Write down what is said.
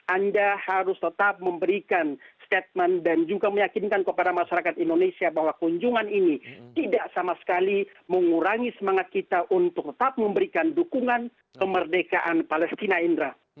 anda harus tetap memberikan statement dan juga meyakinkan kepada masyarakat indonesia bahwa kunjungan ini tidak sama sekali mengurangi semangat kita untuk tetap memberikan dukungan kemerdekaan palestina indra